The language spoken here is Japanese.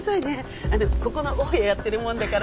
あのここの大家やってるもんだから。